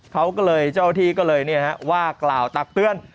เขาก็เลยเจ้าหน้าที่ก็เลยเนี่ยฮะว่ากล่าวตักเตือน